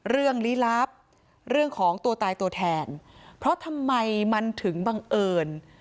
ลี้ลับเรื่องของตัวตายตัวแทนเพราะทำไมมันถึงบังเอิญ